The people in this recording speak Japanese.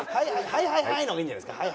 「はいはいはい！」の方がいいんじゃないですか？